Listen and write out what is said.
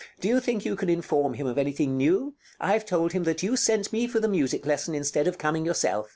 Do you think you can inform him of anything new? I've told him that you sent me for the music lesson instead of coming himself.